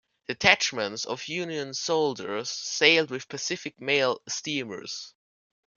Detachments of Union soldiers sailed with Pacific Mail steamers.